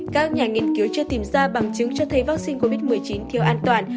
các nhà nghiên cứu chưa tìm ra bằng chứng cho thấy vaccine covid một mươi chín thiếu an toàn